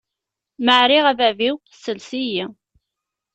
Ma ɛriɣ a bab-iw, ssels-iyi!